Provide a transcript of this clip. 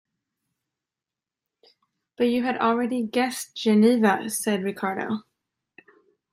"But you had already guessed 'Geneva,'" said Ricardo.